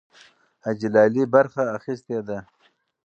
حاجي لالي برخه اخیستې ده.